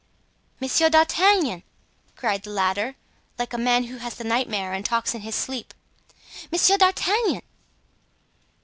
"Monsieur d'Artagnan!" cried the latter, like a man who has the nightmare and talks in his sleep, "Monsieur d'Artagnan!"